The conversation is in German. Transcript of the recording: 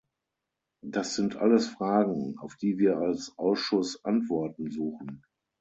Das sind alles Fragen, auf die wir als Ausschuss Antworten suchen.